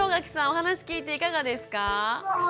お話聞いていかがですか？